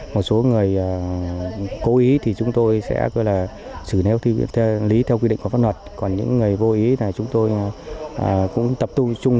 một số người cố ý thì chúng tôi sẽ xử lý theo quy định của pháp luật còn những người vô ý thì chúng tôi cũng tập tụi